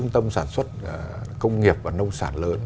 tâm sản xuất công nghiệp và nông sản lớn